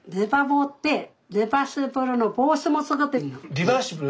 リバーシブル？